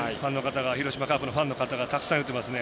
広島カープのファンの方がたくさん言ってますね。